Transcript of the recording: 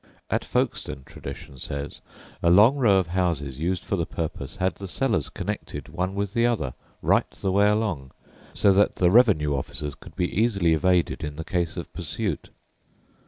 At Folkestone, tradition says, a long row of houses used for the purpose had the cellars connected one with the other right the way along, so that the revenue officers could be easily evaded in the case of pursuit.